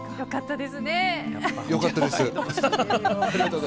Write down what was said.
良かったですね。